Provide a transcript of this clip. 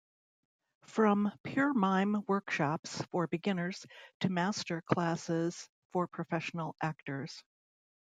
From pure mime workshops for beginners to master classes for professional actors.